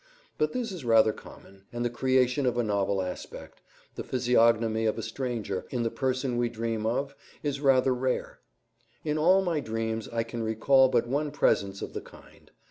But this is rather common, and the creation of a novel aspect, the physiognomy of a stranger, in the person we dream of, is rather rare. In all my dreams I can recall but one presence of the kind.